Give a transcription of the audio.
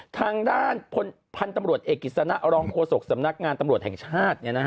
ทางด้านพันธุ์ตำรวจเอกกิจสนะรองโฆษกสำนักงานตำรวจแห่งชาติ